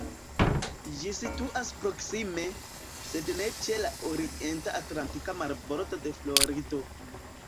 Ĝi situas proksime, sed ne ĉe la orienta atlantika marbordo de Florido.